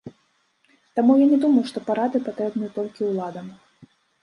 Таму я не думаю, што парады патрэбныя толькі ўладам.